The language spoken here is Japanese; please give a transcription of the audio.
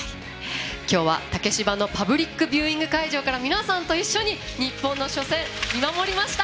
今日は、竹芝のパブリックビューイング会場から皆さんと一緒に日本の初戦、見守りました。